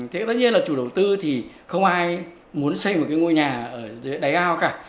thế tất nhiên là chủ đầu tư thì không ai muốn xây một cái ngôi nhà ở dưới đáy ao cả